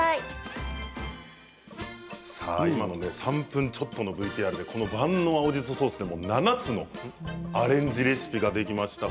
３分ちょっとのＶＴＲ万能青じそソース７つのアレンジレシピができました。